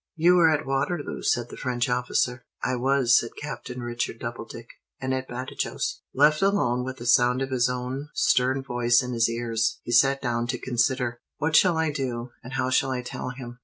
"You were at Waterloo," said the French officer. "I was," said Captain Richard Doubledick. "And at Badajos." Left alone with the sound of his own stern voice in his ears, he sat down to consider. What shall I do, and how shall I tell him?